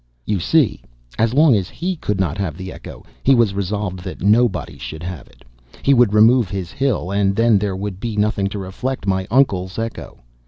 You see, as long as he could not have the echo, he was resolved that nobody should have it. He would remove his hill, and then there would be nothing to reflect my uncle's echo.